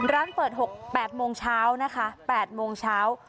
ร้านเปิด๖๘โมงเช้านะคะ๘โมงเช้า